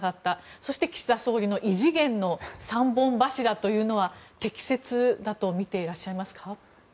そして、岸田総理の異次元の３本柱というのは適切だとみていらっしゃいますか。